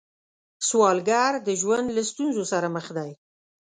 سوالګر د ژوند له ستونزو سره مخ دی